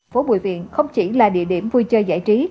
phố bùi viện không chỉ là địa điểm vui chơi giải trí